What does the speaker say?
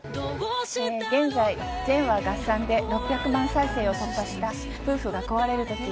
現在、全話合算で６００万回再生を突破した『夫婦が壊れるとき』。